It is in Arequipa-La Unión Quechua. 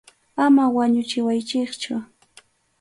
Ama wañuchiwaychikchu.